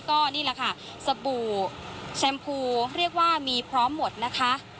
ก็นี่แหละค่ะสบู่แชมพูเรียกว่ามีพร้อมหมดนะคะ